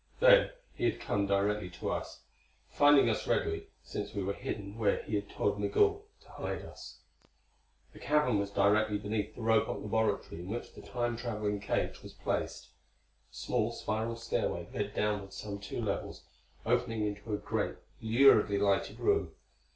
Then he had come directly to us, finding us readily since we were hidden where he had told Migul to hide us. This cavern was directly beneath the Robot laboratory in which the Time traveling cage was placed. A small spiral stairway led downward some two levels, opening into a great, luridly lighted room.